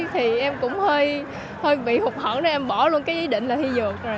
thì em cũng hơi bị hụt hẳn nên em bỏ luôn cái dự định là thi dược rồi